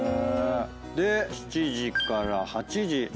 で７時から８時。